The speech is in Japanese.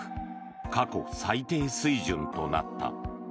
過去最低水準となった。